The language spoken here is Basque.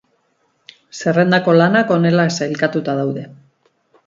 Zerrendako lanak honela sailkatuta daude.